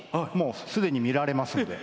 もう、すでに見られますよ。